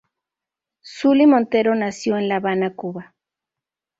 Zully Montero nació en La Habana, Cuba.